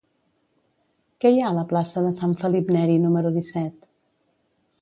Què hi ha a la plaça de Sant Felip Neri número disset?